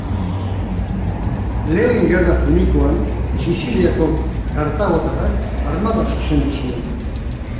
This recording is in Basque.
Lehen Gerra Punikoan Siziliako kartagotar armada zuzendu zuen.